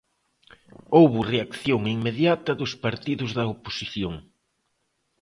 Houbo reacción inmediata dos partidos da oposición.